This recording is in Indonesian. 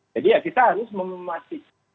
jadi ya kita harus memastikan